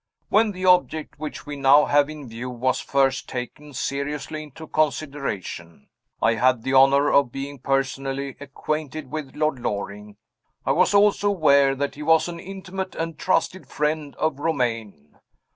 When the object which we now have in view was first taken seriously into consideration, I had the honor of being personally acquainted with Lord Loring. I was also aware that he was an intimate and trusted friend of Romayne.